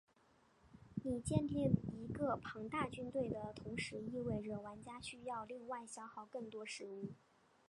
你建立一个庞大军队的同时意味着玩家需要另外消耗更多的食物。